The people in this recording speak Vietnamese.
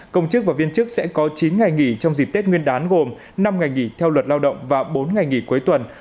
công chức và viên chức sẽ có chín ngày nghỉ trong dịp tết nguyên đán gồm năm ngày nghỉ theo luật lao động và bốn ngày nghỉ cuối tuần